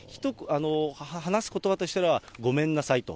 話すことばとしたら、ごめんなさいと。